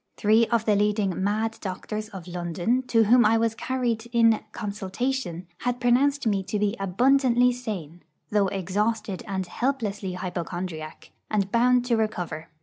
Three of the leading 'mad doctors' of London, to whom I was carried in 'consultation,' had pronounced me to be abundantly sane, though exhausted and helplessly hypochondriac, and bound to recover.